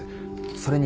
それに。